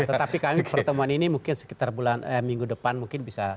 tetapi kami pertemuan ini mungkin sekitar minggu depan mungkin bisa